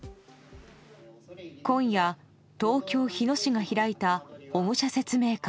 今夜、東京・日野市が開いた保護者説明会。